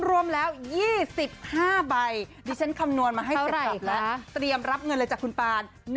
รวมแล้ว๒๕ใบดิฉันคำนวณมาให้กรอบแล้วเตรียมรับเงินเลยจากคุณปาน